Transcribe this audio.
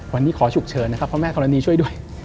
วันนี้ขอฉุกเฉินนะครับพระแม่ธรณีช่วยด้วย